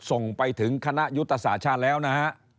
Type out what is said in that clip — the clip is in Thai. ส่งไปถึงคณะยุตสาธารณ์แล้วนะฮะ